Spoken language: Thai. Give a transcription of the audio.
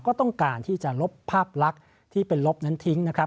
ก็ต้องการที่จะลบภาพลักษณ์ที่เป็นลบนั้นทิ้งนะครับ